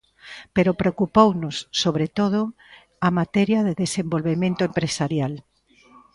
Pero preocupounos, sobre todo, a materia de desenvolvemento empresarial.